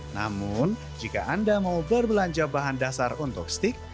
namun jika anda mau berbelanja bahan dasar untuk steak